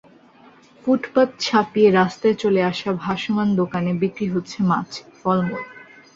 ফুটপাত ছাপিয়ে রাস্তায় চলে আসা ভাসমান দোকানে বিক্রি হচ্ছে মাছ, ফলমূল।